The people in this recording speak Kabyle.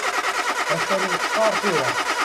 Atan yeqqaṛ tura.